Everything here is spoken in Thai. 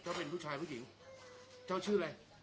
เป็นผู้ชายผู้หญิงเจ้าชื่ออะไร